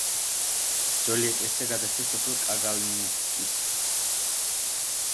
ძველი ეკლესია გადასცეს სოფელ კაგალნიცკის.